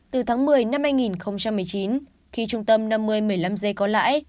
trung tâm của bị gắn vĩnh từ tháng một mươi năm hai nghìn một mươi chín khi trung tâm năm nghìn một mươi năm g có lãi